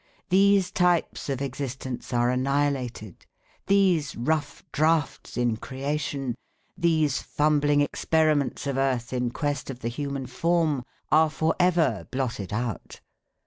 These types of existence are annihilated; these rough drafts in creation, these fumbling experiments of Earth in quest of the human form are for ever blotted out.